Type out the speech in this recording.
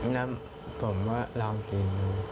แล้วผมก็ลองกิน